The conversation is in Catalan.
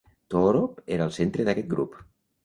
Toorop era el centre d'aquest grup.